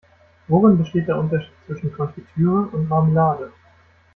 Worin besteht der Unterschied zwischen Konfitüre und Marmelade?